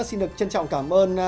xin được trân trọng cảm ơn